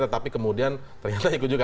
tetapi kemudian ternyata ikut juga